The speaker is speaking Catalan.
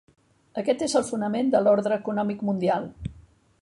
Aquest és el fonament de l'ordre econòmic mundial.